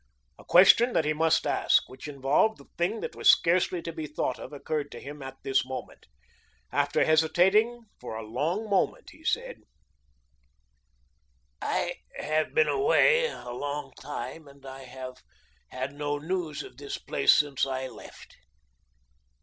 A question that he must ask, which involved the thing that was scarcely to be thought of, occurred to him at this moment. After hesitating for a long moment, he said: "I have been away a long time, and I have had no news of this place since I left.